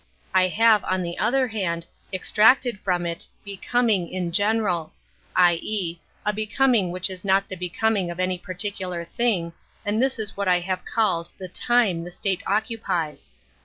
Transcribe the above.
I have, on the other hand, extracted from it Becoming in general, i. e., a becoming which is not the becoming of any particular thing, and this is what I have called the time the state occupies.